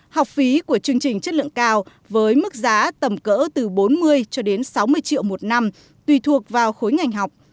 học phí của chương trình chất lượng cao với mức giá tầm cỡ từ bốn mươi cho đến sáu mươi triệu một năm tùy thuộc vào khối ngành học